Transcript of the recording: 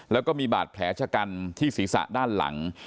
แล้วก็มีบาดแผลชะกันที่ศีรษะด้านหลัง